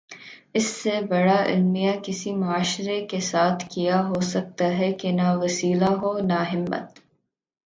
اس سے بڑا المیہ کسی معاشرے کے ساتھ کیا ہو سکتاہے کہ نہ وسیلہ ہو نہ ہمت۔